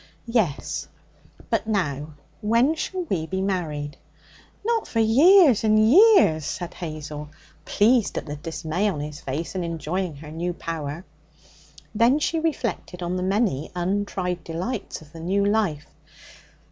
'Yes. But now, when shall we be married?' 'Not for years and years,' said Hazel, pleased at the dismay on his face, and enjoying her new power. Then she reflected on the many untried delights of the new life.